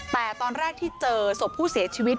แต่ตอนแรกที่เจอศพผู้เสียชีวิต